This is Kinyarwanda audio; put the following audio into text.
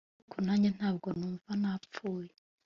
ariko nanjye ntabwo numva napfuye